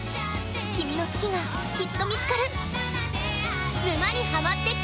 君の好きがきっと見つかる！